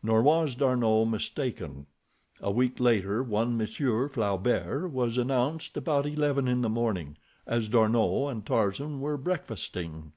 Nor was D'Arnot mistaken. A week later on Monsieur Flaubert was announced about eleven in the morning, as D'Arnot and Tarzan were breakfasting.